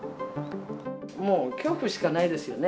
もう恐怖しかないですよね。